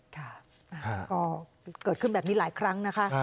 ค่ะก็เกิดขึ้นแบบนี้หลายครั้งนะคะ